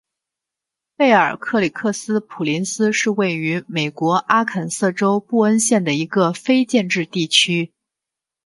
贝尔克里克斯普林斯是位于美国阿肯色州布恩县的一个非建制地区。